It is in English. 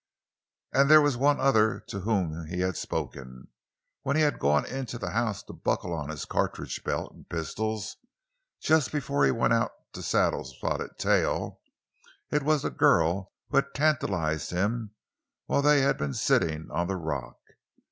And there was one other to whom he had spoken—when he had gone into the house to buckle on his cartridge belt and pistols, just before he went out to saddle Spotted Tail. It was the girl who had tantalized him while they had been sitting on the rock.